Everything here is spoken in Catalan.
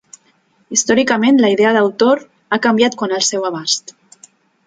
Històricament la idea d'autor ha canviat quant al seu abast.